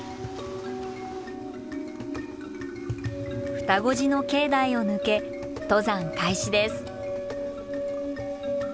両子寺の境内を抜け登山開始です。